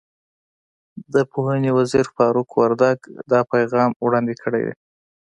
د پوهنې وزیر فاروق وردګ دا پیغام وړاندې کړی دی.